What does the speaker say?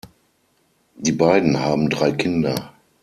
Die beiden haben drei Kinder.